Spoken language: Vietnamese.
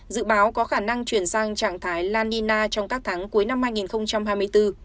dự báo có khả năng chuyển sang trạng thái la nina trong các tháng cuối năm hai nghìn hai mươi bốn